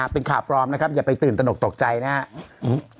เป็นข่าวปลอมนะครับอย่าไปตื่นตนกตกใจนะครับ